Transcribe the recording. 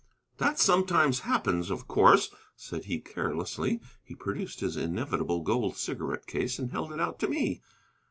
"That sometimes happens, of course," said he, carelessly. He produced his inevitable gold cigarette case and held it out to me.